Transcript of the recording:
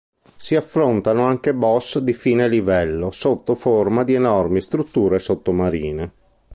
Si affrontano anche boss di fine livello sotto forma di enormi strutture sottomarine.